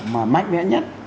mà mạnh mẽ nhất